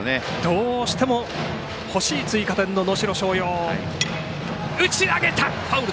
どうしても欲しい追加点の能代松陽。